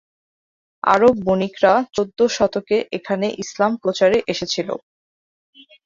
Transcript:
আরব বণিকরা চৌদ্দ শতকে এখানে ইসলাম প্রচারে এসেছিল।